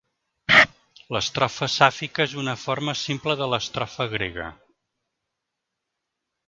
L'estrofa sàfica és una forma simple de l'estrofa grega.